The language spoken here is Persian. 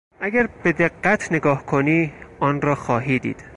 اگر به دقت نگاه کنی آنرا خواهی دید.